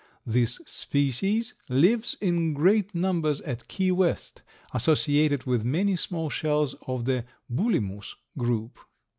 This species lives in great numbers at Key West, associated with many small shells of the Bulimus group.